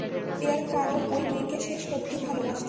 এর কারণ ওই মেয়েকে সে সত্যিই ভালোবাসতো।